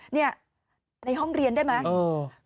นี่ในห้องเรียนได้ไหม